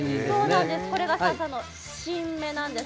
これが新芽なんです。